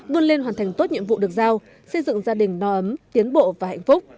vươn lên hoàn thành tốt nhiệm vụ được giao xây dựng gia đình no ấm tiến bộ và hạnh phúc